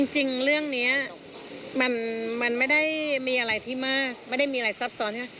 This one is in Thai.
จริงเรื่องนี้มันไม่ได้มีอะไรที่มากไม่ได้มีอะไรซับซ้อน